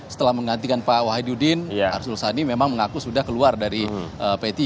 setelah menggantikan pak wahidudin arsul sani memang mengaku sudah keluar dari p tiga